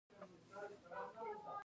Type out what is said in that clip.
د کابل په کلکان کې څه شی شته؟